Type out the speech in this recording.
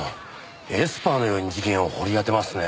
エスパーのように事件を掘り当てますね。